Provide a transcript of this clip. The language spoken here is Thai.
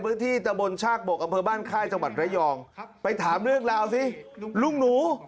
พื้นที่ตะบนชากบกบ้านค่าจังหวัดระยองไปถามเรื่องราวสิลุงหนู